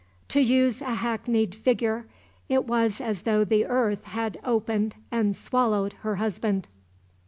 To use a hackneyed figure, it was as though the earth had opened and swallowed her husband.